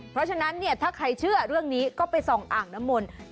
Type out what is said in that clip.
เพราะฉะนั้นเนี่ยถ้าใครเชื่อเรื่องนี้ก็ไปส่องอ่างน้ำมนต์